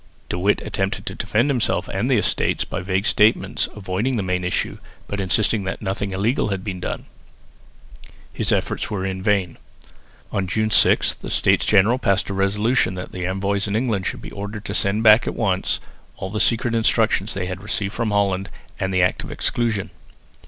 De Witt attempted to defend himself and the Estates, by vague statements, avoiding the main issue, but insisting that nothing illegal had been done. His efforts were in vain. On June 6 the States General passed a resolution that the envoys in England should be ordered to send back at once all the secret instructions they had received from Holland, and the Act of Exclusion.